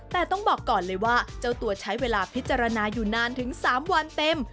แต่ต้องบอกก่อนเลยว่าเจ้าตัวใช้เวลาพิจารณาอยู่นานถึง๓วันเต็ม